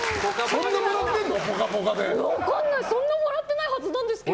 そんなもらってるの？